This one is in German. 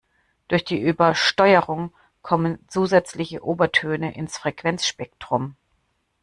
Durch die Übersteuerung kommen zusätzliche Obertöne ins Frequenzspektrum.